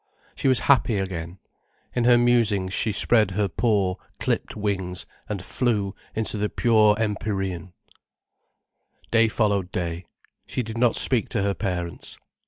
She was happy again. In her musings she spread her poor, clipped wings, and flew into the pure empyrean. Day followed day. She did not speak to her parents.